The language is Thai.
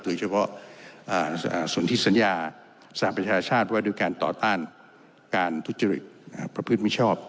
โดยเฉพาะส่วนที่สัญญาสหประชาชาติไว้ด้วยการต่อต้านการทุจริตประพฤติมิชอบ